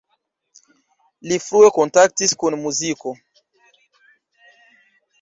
Li frue kontaktis kun muziko.